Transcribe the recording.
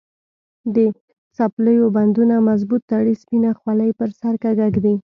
د څپلیو بندونه مضبوط تړي، سپینه خولې پر سر کږه ږدي.